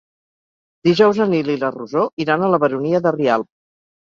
Dijous en Nil i na Rosó iran a la Baronia de Rialb.